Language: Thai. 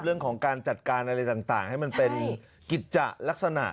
เรื่องของการจัดการอะไรต่างให้มันเป็นกิจจะลักษณะ